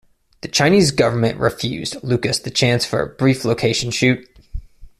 The Chinese government refused Lucas the chance for a brief location shoot.